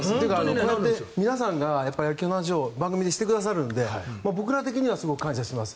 こうやって皆さんが野球の話を番組でしてくださるので僕ら的には感謝しています。